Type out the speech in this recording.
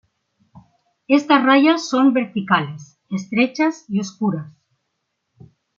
Estas rayas son verticales, estrechas y oscuras.